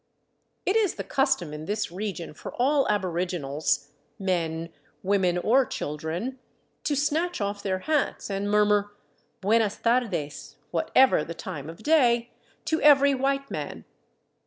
It is the custom in this region for all aboriginals, men, women, or children, to snatch off their hats and mur mur " Buenas tardes "— whatever the time of day — to every white man.